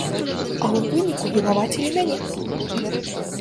А ў выніку вінавацілі мяне!